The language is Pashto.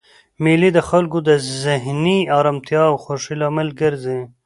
مېلې د خلکو د ذهني ارامتیا او خوښۍ لامل ګرځي.